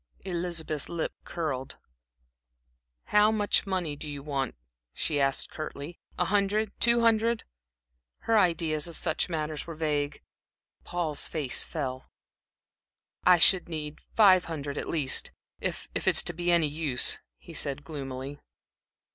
Elizabeth's lip curled. "How much money do you want?" she asked, curtly. "A hundred? Two hundred?" Her ideas on such matters were vague. Paul's face fell. "I should need five hundred at least, if if it is to be of any use," he said, gloomily.